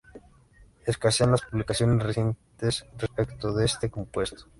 Escasean las publicaciones recientes respecto de este compuesto.